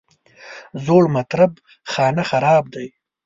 زوړ مطرب خانه خراب دی.